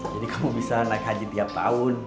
jadi kamu bisa naik haji tiap tahun